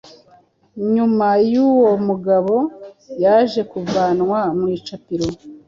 Nyuma uyu mugabo yaje kuvanwa mu icapiro